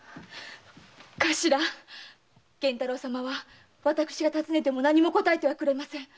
頭源太郎様は私が尋ねても何も答えてはくれません。